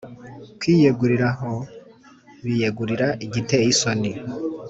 Kwiyegurira hs biyegurira igiteye isoni